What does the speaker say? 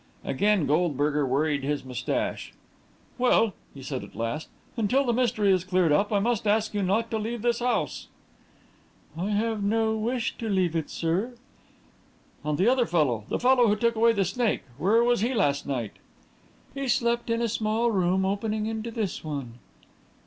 Again Goldberger worried his moustache. "Well," he said, at last, "until the mystery is cleared up, I must ask you not to leave this house." "I have no wish to leave it, sir." "And the other fellow the fellow who took away the snake where was he last night?" "He slept in a small room opening into this one."